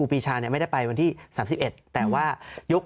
เพราะถ้าเข้าไปอ่านมันจะสนุกมาก